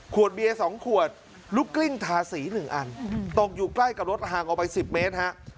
ขวดเบียงสองขวดลูกกลิ้งทาสีหนึ่งอันตกอยู่ใกล้กับรถห่างออกไปสิบเมตรฮะ